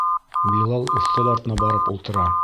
Билал өҫтәл артына барып ултыра.